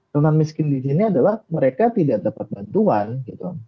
nonton miskin di sini adalah mereka tidak dapat bantuan gitu